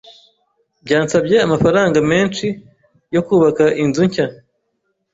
Byansabye amafaranga menshi yo kubaka inzu nshya.